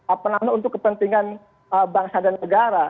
apa namanya untuk kepentingan bangsa dan negara